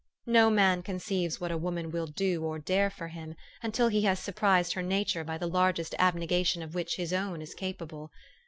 No man conceives what a woman will do or dare for him, until he has surprised her nature by the largest abnegation of which his own is capable.